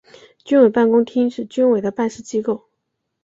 军委办公厅是军委的办事机构。